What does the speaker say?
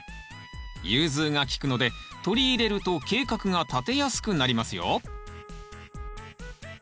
融通がきくので取り入れると計画が立てやすくなりますよ。